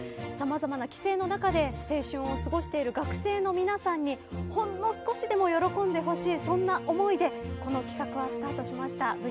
様々な規制の中で青春を過ごしている学生の皆さんにほんの少しでも喜んでほしいそんな思いでこの企画はスタートしました。